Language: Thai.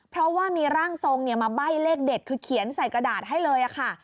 เพราะว่ามีร่างทรงมาใบ้เลขเด็ดคือเขียนใส่กระดาษให้เลยค่ะ